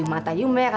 mata kamu merah